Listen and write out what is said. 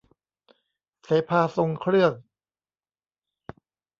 เสภาทรงเครื่อง